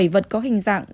bảy vật có hình dạng